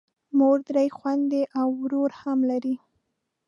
مور، درې خویندې او ورور هم لرم.